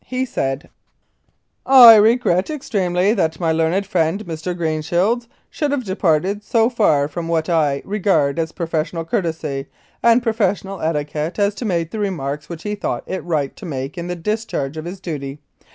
He said : "I regret extremely that my learned friend Mr. Green shields should have departed so far from what I regard as professional courtesy and professional etiquette as to make the remarks which he thought it right to make in the discharge of his duty.